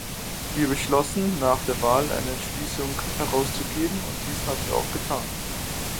Wir beschlossen, nach der Wahl eine Entschließung herauszugeben, und dies haben wir auch getan.